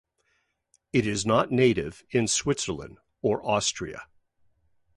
It is not native in Switzerland or Austria.